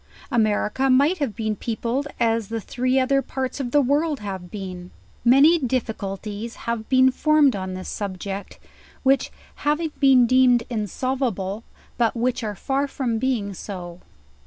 America might have been peopled as the three other parts of the world have been.. Many difficulties have been formed on this subject, which, have been deemed insolvable, but which are far from being. so.